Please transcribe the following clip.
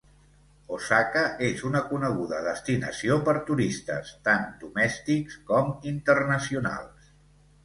Osaka és una coneguda destinació per turistes, tant domèstics com internacionals.